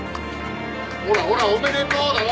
ほらほらおめでとうだろ。